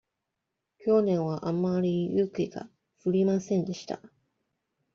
去年はあまり雪が降りませんでした。